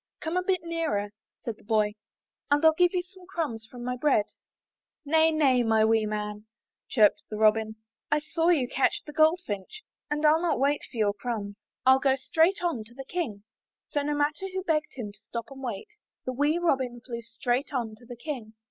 ''Come a bit nearer," said the boy, "and Til give you some crumbs from my bread." "Nay, nay, my wee man," chirped the Robin. "I saw you catch the goldfinch, and Fll not wait for your crumbs. Fll go straight on to the King." So, no matter who begged him to stop and wait, the wee Robin flew straight on to the King.